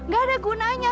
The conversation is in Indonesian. gak ada gunanya